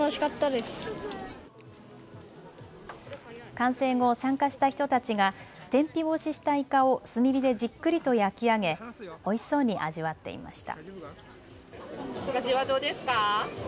完成後、参加した人たちが天日干ししたイカを炭火でじっくりと焼き上げおいしそうに味わっていました。